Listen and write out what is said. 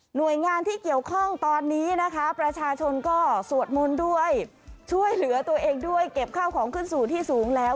หน่วยงานที่เกี่ยวข้องตอนนี้นะคะประชาชนก็สวดมนต์ด้วยช่วยเหลือตัวเองด้วยเก็บข้าวของขึ้นสู่ที่สูงแล้ว